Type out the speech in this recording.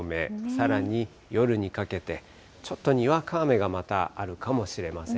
さらに夜にかけて、ちょっとにわか雨がまたあるかもしれません。